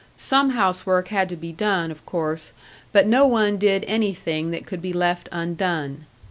Some house work had to be done, of course, but no one did anything that could be left undone.